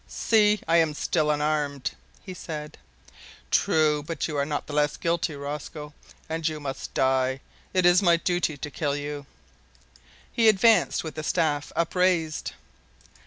"See! I am still unarmed," he said. "True, but you are not the less guilty, Rosco, and you must die. It is my duty to kill you." He advanced with the staff up raised.